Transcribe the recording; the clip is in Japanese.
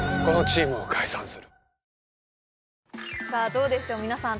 どうでしょう皆さん